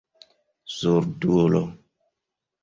surdulo